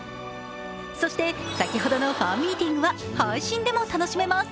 そして先ほどのファンミーティングは配信でも楽しめます。